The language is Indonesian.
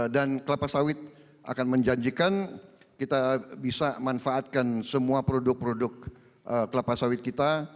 dan kelapa sawit akan menjanjikan kita bisa manfaatkan semua produk produk kelapa sawit kita